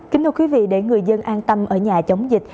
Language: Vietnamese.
kính thưa quý vị để người dân an tâm ở nhà chống dịch